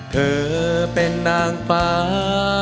เธอเป็นนางฟ้า